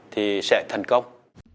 thì sẽ thành công